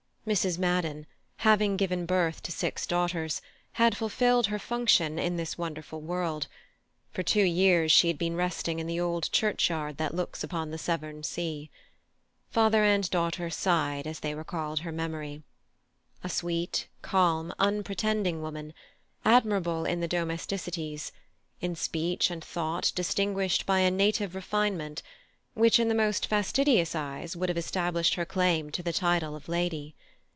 Mrs. Madden, having given birth to six daughters, had fulfilled her function in this wonderful world; for two years she had been resting in the old churchyard that looks upon the Severn sea. Father and daughter sighed as they recalled her memory. A sweet, calm, unpretending woman; admirable in the domesticities; in speech and thought distinguished by a native refinement, which in the most fastidious eyes would have established her claim to the title of lady.